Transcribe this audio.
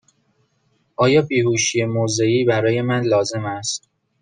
آیا بیهوشی موضعی برای من لازم است؟